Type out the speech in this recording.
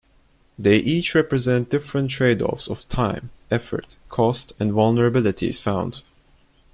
They each represent different tradeoffs of time, effort, cost and vulnerabilities found.